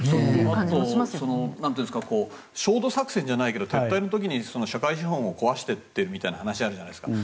あと焦土作戦じゃないけど撤退の時に社会資本を壊してみたいなのがあるじゃないですか。